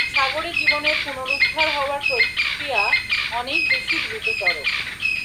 সাগরে জীবনের পুনরুদ্ধার হওয়ার প্রক্রিয়া অনেক বেশি দ্রুততর।